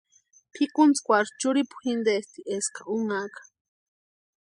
Pʼikuntskwarhu churhipu jintesti eska únhaka.